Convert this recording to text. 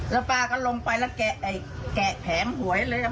แล้วป้าก็ลงไปแล้วแกะแผงหวยเลย